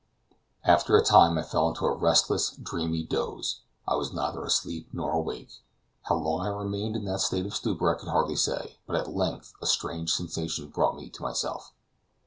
After a time I fell into a restless, dreamy doze. I was neither asleep nor awake. How long I remained in that state of stupor I could hardly say, but at length a strange sensation brought me to myself.